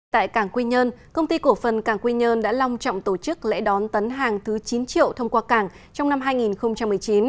tại cảng quy nhơn công ty cổ phần cảng quy nhơn đã long trọng tổ chức lễ đón tấn hàng thứ chín triệu thông qua cảng trong năm hai nghìn một mươi chín